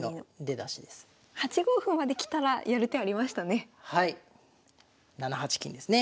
８五歩まできたらやる手ありましたね。